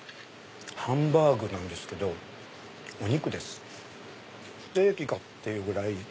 ハンバーグなんですけどお肉ですステーキか！っていうぐらい。